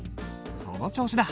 その調子だ。